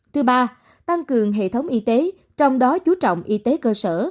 thứ ba tăng cường hệ thống y tế trong đó chú trọng y tế cơ sở